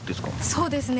そうですね。